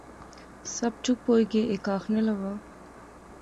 سب چپ ہوئی گئے۔ ہیک آخنے لغا